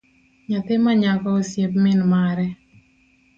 Nyathi manyako osiep min mare